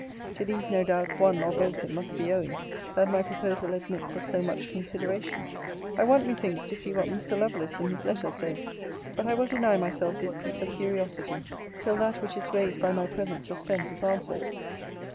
To these, no doubt, one or both, it must be owing, that my proposal admits of so much consideration. I want, methinks, to see what Mr. Lovelace, in his letter, says. But I will deny myself this piece of curiosity till that which is raised by my present suspense is answered.